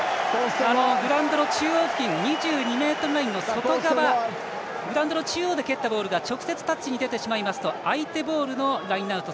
グラウンドの中央付近２２ｍ付近の外側グラウンドの中央で蹴ったボールが直接タッチに出てしまうと相手ボールのラインアウト。